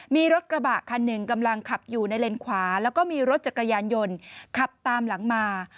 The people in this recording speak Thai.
มีรถกระบะคันหนึ่งกำลังขับอยู่ในเลนขวาแล้วก็มีรถจักรยานยนต์ขับตามหลังมา